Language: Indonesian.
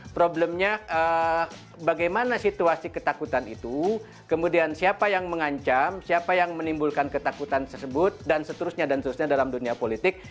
problemnya bagaimana situasi ketakutan itu kemudian siapa yang mengancam siapa yang menimbulkan ketakutan tersebut dan seterusnya dan seterusnya dalam dunia politik